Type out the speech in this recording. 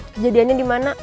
kejadiannya di mana